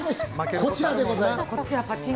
こちらでございます。